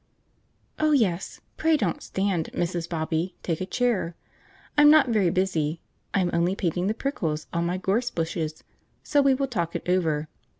"Oh yes. Pray don't stand, Mrs. Bobby; take a chair. I am not very busy; I am only painting prickles on my gorse bushes, so we will talk it over."